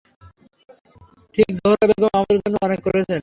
ঠিক -জোহরা বেগম আমাদের জন্য অনেক করেছেন।